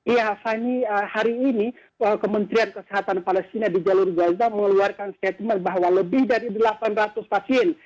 ya fani hari ini kementerian kesehatan palestina di jalur gaza mengeluarkan statement bahwa lebih dari delapan ratus pasien